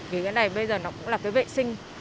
vì cái này bây giờ nó cũng là cái vệ sinh